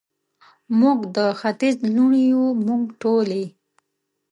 موږ د ختیځ لوڼې یو، موږ ټولې،